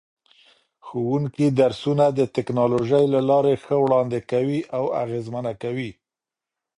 ښوونکي درسونه د ټکنالوژۍ له لارې ښه وړاندې کوي او اغېزمنه کوي.